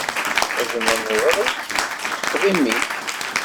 Xedm nnḍeṛ-ik, teṭṭefḍ imi-k!